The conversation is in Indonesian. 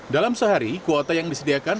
dalam sehari kuota yang disediakan